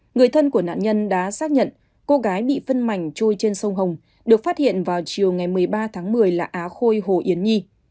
người thân của nạn nhân đã xác nhận cô gái bị phân mảnh chui trên sông hồng được phát hiện vào chiều ngày một mươi ba tháng một mươi là á khôi hồ yến nhi